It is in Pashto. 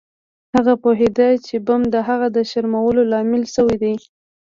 هغه پوهیده چې بم د هغه د شرمولو لامل شوی دی